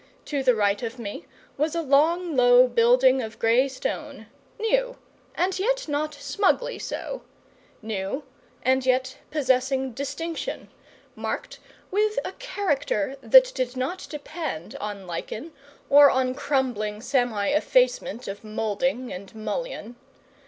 To the right of me was a long low building of grey stone, new, and yet not smugly so; new, and yet possessing distinction, marked with a character that did not depend on lichen or on crumbling semi effacement of moulding and mullion.